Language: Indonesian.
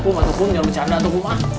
aku mbetukun jangan bercanda atukum ah